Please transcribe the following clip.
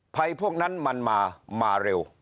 พวกนั้นมันมามาเร็ว